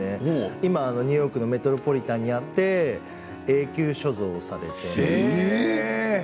今、ニューヨークのメトロポリタンにあって永久所蔵されています。